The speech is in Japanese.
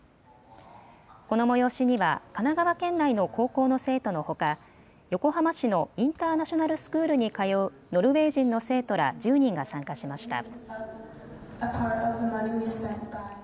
この催しには神奈川県内の高校の生徒のほか横浜市のインターナショナルスクールに通うノルウェー人の生徒ら１０人が参加しました。